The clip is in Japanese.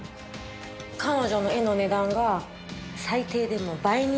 彼女の絵の値段が最低でも倍になるって。